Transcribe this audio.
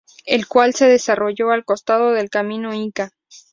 El cual se desarrolló al costado del camino inca.